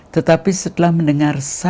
tetapi setelah mendengar satu orang semua